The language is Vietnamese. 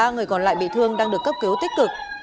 ba người còn lại bị thương đang được cấp cứu tích cực